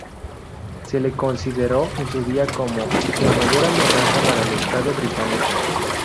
Se le consideró en su día como ""la mayor amenaza para el Estado británico"".